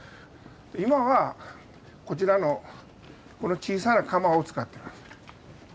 今はこちらのこの小さな窯を使ってます。